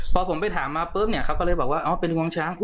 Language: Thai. พอผมไปถามมาปุ๊บเนี่ยเขาก็เลยบอกว่าอ๋อเป็นห่วงช้าง